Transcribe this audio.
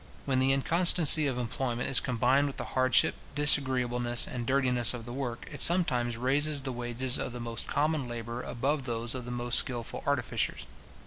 When the inconstancy of employment is combined with the hardship, disagreeableness, and dirtiness of the work, it sometimes raises the wages of the most common labour above those of the most skilful artificers.